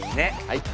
はい。